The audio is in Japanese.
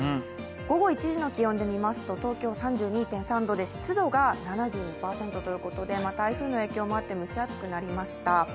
午後１時の気温で見ますと、東京３２．３度で、湿度が７２％ということで台風の影響もあって蒸し暑くなりました。